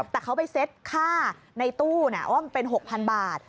แต่เขาไปเซตค่าในตู้เป็น๖๐๐๐บาท